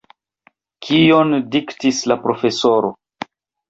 Kion diktis la profesoro?